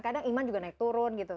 kadang iman juga naik turun gitu